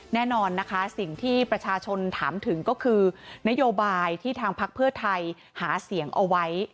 แน่นอนนะคะสิ่งที่ประชาชนถามถึงก็คือนโยบายที่ทางพักเพื่อไทยหาเสียงเอาไว้